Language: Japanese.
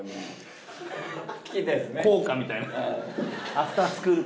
『アフタースクール』